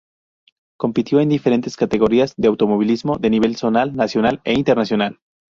Compitió en diferentes categorías de automovilismo de nivel zonal, nacional e internacional.